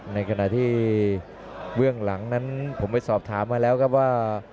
ในขณะที่เบื้องหลังนั้นผมไปสอบถามมาแล้วครับว่า